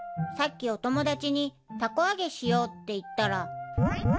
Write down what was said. さっきおともだちにたこあげしようっていったら。